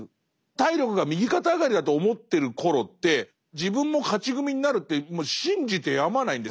体力が右肩上がりだと思ってる頃って自分も勝ち組になるって信じてやまないんですよね。